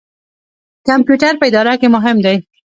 کمپیوټر په اداره کې مهم دی